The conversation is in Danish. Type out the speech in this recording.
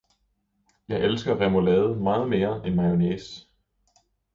Jeg elsker remulade meget mere end mayonnaise.